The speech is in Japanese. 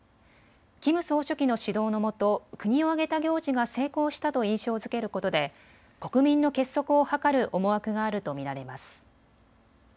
キム総書記の指導のもと国を挙げた行事が成功したと印象づけることで国民の結束を図る思惑があると見られます。